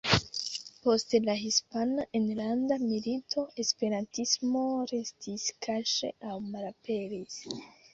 Post la Hispana Enlanda Milito, esperantismo restis kaŝe aŭ malaperis.